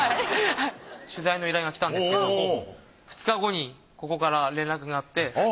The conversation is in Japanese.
取材の依頼が来たんですけど２日後にここから連絡があって。